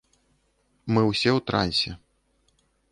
Мы ўсе ў трансе.